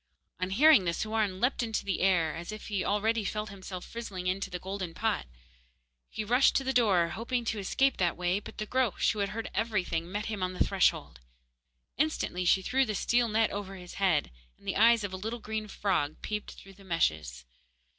On hearing this Houarn leaped into the air, as if he already felt himself frizzling in the golden pot. He rushed to the door, hoping to escape that way; but the Groac'h, who had heard everything, met him on the threshold. Instantly she threw the steel net over his head, and the eyes of a little green frog peeped through the meshes.